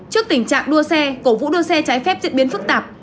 trước tình trạng đua xe cổ vũ đua xe trái phép diễn biến phức tạp